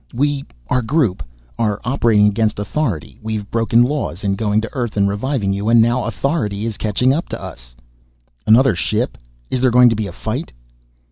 "We our group are operating against authority. We've broken laws, in going to Earth and reviving you. And now authority is catching up to us." "Another ship? Is there going to be a fight?"